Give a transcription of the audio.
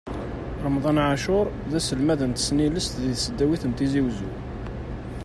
Remḍan Ɛacur, d aselmad n tesnilest di tesdawit n Tizi Uzzu.